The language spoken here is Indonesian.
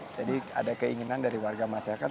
jadi ada keinginan dari warga masyarakat